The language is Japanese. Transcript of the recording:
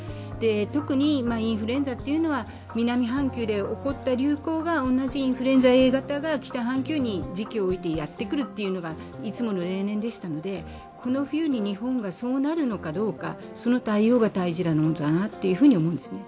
特にインフルエンザというのは、南半球で起こった流行が同じインフルエンザＡ型が北半球に時期を追ってやってくるというのがいつもの例年でしたので、この冬に日本がそうなるのかどうか、その対応が大事になるんじゃないかと思うんですね。